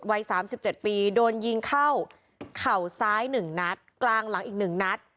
วัยสามสิบเจ็ดปีโดนยิงเข้าเข่าซ้ายหนึ่งนัดกลางหลังอีกหนึ่งนัด